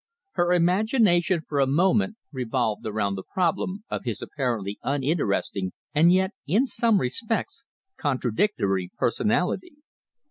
Her imagination for a moment revolved around the problem of his apparently uninteresting and yet, in some respects, contradictory personality.